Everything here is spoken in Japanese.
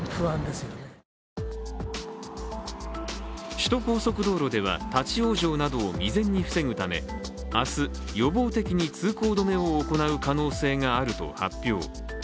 首都高速道路では立往生などを未然に防ぐため明日、予防的に通行止めを行う可能性があると発表。